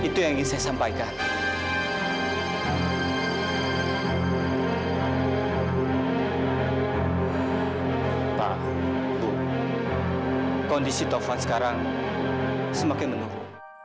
tuh kondisi tovan sekarang semakin menurun